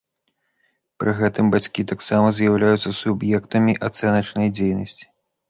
Пры гэтым бацькі таксама з'яўляюцца суб'ектамі ацэначнай дзейнасці.